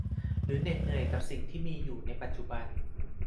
หรือเหน็ดเหนื่อยกับสิ่งที่มีอยู่ในปัจจุบัน